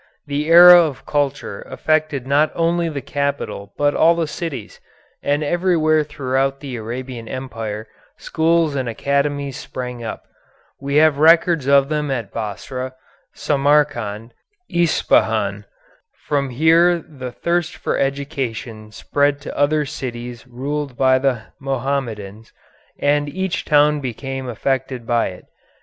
The era of culture affected not only the capital but all the cities, and everywhere throughout the Arabian empire schools and academies sprang up. We have records of them at Basra, Samarcand, Ispahan. From here the thirst for education spread to the other cities ruled by the Mohammedans, and each town became affected by it.